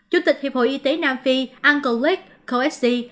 chủ tịch hiệp hội y tế nam phi uncle rick coexi